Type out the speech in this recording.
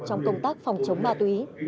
trong công tác phòng chống ma túy